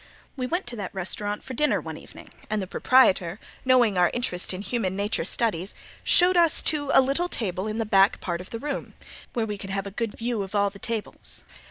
We went to that restaurant for dinner one evening, and the proprietor, knowing our interest in human nature studies, showed us to a little table in the back part of the room, where we could have a good view of all the tables.